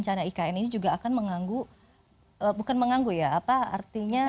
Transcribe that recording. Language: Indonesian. jangan sampai rencana ikn ini juga akan menganggu bukan menganggu ya apa artinya